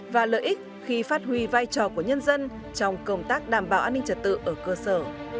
và lợi ích khi phát huy vai trò của nhân dân trong công tác đảm bảo an ninh trật tự ở cơ sở